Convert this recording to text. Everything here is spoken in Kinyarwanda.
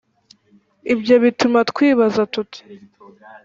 ibyo bituma twibaza tuti,